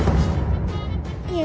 いえ